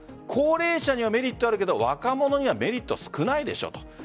高齢者にはメリットあるけど若者にはメリットが少ないでしょと。